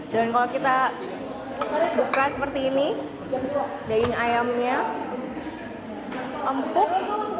dan kalau kita buka seperti ini daging ayamnya empuk